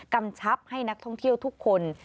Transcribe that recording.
กำชับให้นักท่องเที่ยวทุกคน